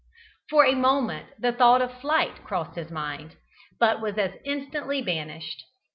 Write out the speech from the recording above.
For a moment the thought of flight crossed his mind, but was as instantly banished.